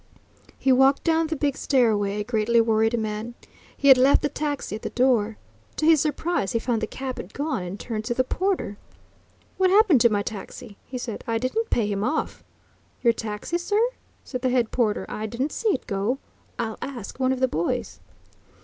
He walked down the big stairway, a greatly worried man. He had left the taxi at the door. To his surprise he found the cab had gone, and turned to the porter. "What happened to my taxi?" he said. "I didn't pay him off." "Your taxi, sir?" said the head porter. "I didn't see it go. I'll ask one of the boys."